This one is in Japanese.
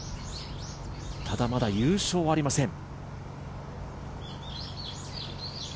ただ、まだ優勝はありません。